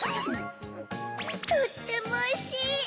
とってもおいしい！